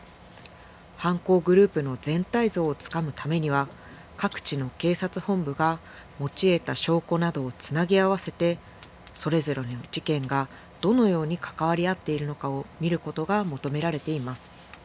犯行グループの全体像をつかむためには各地の警察本部が持ち得た証拠などをつなぎ合わせてそれぞれ事件がどのように関わり合っているのかを見ることが求められています。